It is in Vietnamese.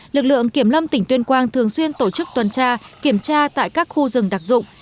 lực lượng kiểm lâm tỉnh tuyên quang thường xuyên tổ chức tuần tra kiểm tra tại các khu rừng đặc dụng